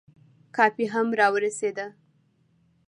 کافي هم را ورسېده.